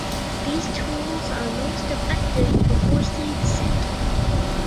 These tools are most effective before seeds set.